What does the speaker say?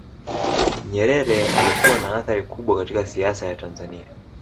nyerere alikuwa na athari kubwa katika siasa ya tanzania